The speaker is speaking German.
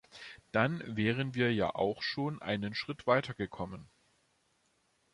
Dann wären wir ja auch schon einen Schritt weitergekommen.